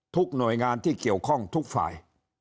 หน่วยงานที่เกี่ยวข้องทุกฝ่าย